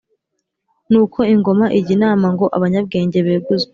Nuko ingoma ijya inama ngo abanyabwenge beguzwe